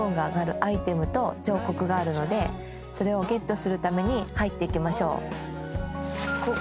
それをゲットするために入っていきましょう。